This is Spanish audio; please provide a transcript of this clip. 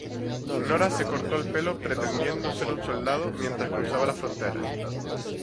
Nora se cortó el pelo pretendiendo ser un soldado mientras cruzaba la frontera.